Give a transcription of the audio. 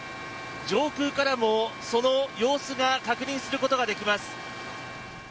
上空からもその様子を確認することができます。